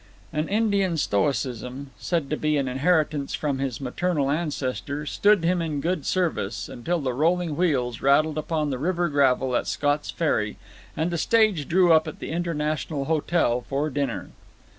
An Indian stoicism said to be an inheritance from his maternal ancestor stood him in good service, until the rolling wheels rattled upon the river gravel at Scott's Ferry, and the stage drew up at the International Hotel for dinner.